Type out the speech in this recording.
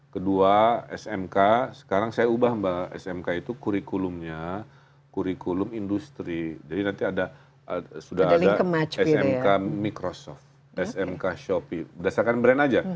kedua smk sekarang saya ubah mbak smk itu kurikulumnya kurikulum industri jadi nanti sudah ada smk microsoft smk shopee berdasarkan brand aja